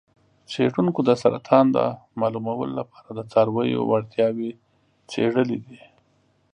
څیړونکو د سرطان د معلومولو لپاره د څارویو وړتیاوې څیړلې دي.